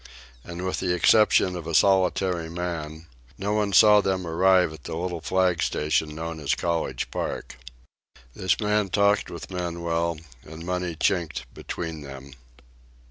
And with the exception of a solitary man, no one saw them arrive at the little flag station known as College Park. This man talked with Manuel, and money chinked between them.